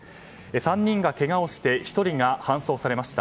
３人がけがをして１人が搬送されました。